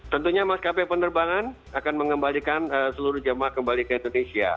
tentunya maskapai penerbangan akan mengembalikan seluruh jemaah kembali ke indonesia